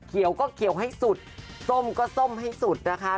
เขียวก็เขียวให้สุดส้มก็ส้มให้สุดนะคะ